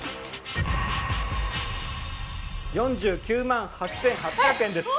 ４９万８８００円です。